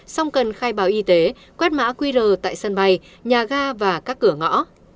song cần khai báo y tế quét mã qr tại sân bay nhà ga và các cửa ngõ